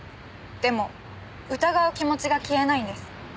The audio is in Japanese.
でも疑う気持ちが消えないんです。